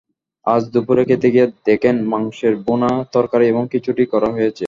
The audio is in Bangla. আজ দুপুরে খেতে গিয়ে দেখেন, মাংসের ভূনা তরকারি এবং খিচুড়ি করা হয়েছে।